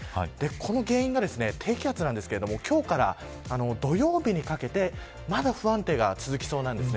この原因が低気圧なんですが今日から土曜日にかけてまだ不安定が続きそうなんです。